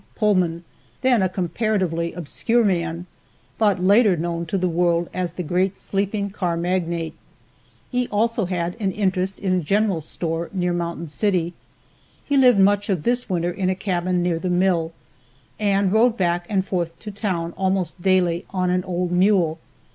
Pullman, then a comparatively obscure man, but later known to the world as the great sleeping car magnate. He also had an interest in a general supply store near Mountain City. He lived much of this winter in a cabin near the mill, and rode back and forth to town almost daily on an old mule.